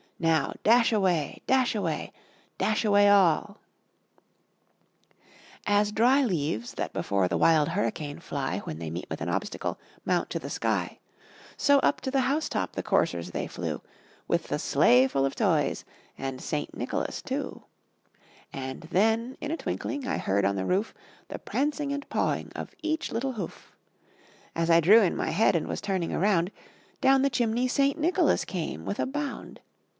Now dash away! dash away! dash away all!" As dry leaves that before the wild hurricane fly, When they meet with an obstacle, mount to the sky; So up to the house top the coursers they flew, With the sleigh full of Toys, and St. Nicholas too. And then, in a twinkling, I heard on the roof The prancing and pawing of each little hoof. As I drew in my head, and was turning around, Down the chimney St. Nicholas came with a bound.